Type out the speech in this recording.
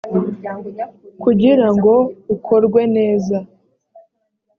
kugira ngo ukorwe neza